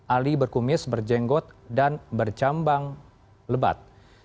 ali berkumis berjenggot dan bercambang lebat